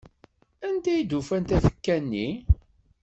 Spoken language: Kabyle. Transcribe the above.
Anda i d-ufan tafekka-nni?